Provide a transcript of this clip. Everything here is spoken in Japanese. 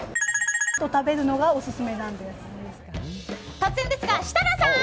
突然ですが、設楽さん。